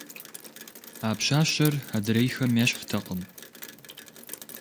А пщащэр адрейхэм ещхьтэкъым.